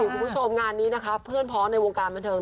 คุณผู้ชมงานนี้นะคะเพื่อนพ้องในวงการบันเทิง